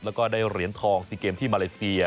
แล้วก็ได้เหรียญทอง๔เกมที่มาเลเซีย